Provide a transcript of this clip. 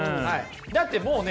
だってもうね